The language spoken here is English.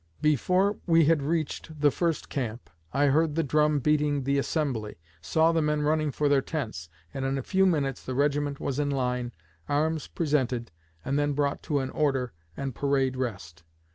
Before we had reached the first camp, I heard the drum beating the 'assembly,' saw the men running for their tents, and in a few minutes the regiment was in line, arms presented, and then brought to an 'order' and 'parade rest.'